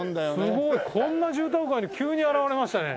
すごい！こんな住宅街に急に現れましたね。